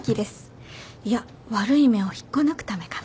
いや悪い芽を引っこ抜くためかな。